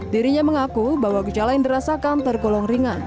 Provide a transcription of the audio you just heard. dirinya mengaku bahwa gejala yang dirasakan tergolong ringan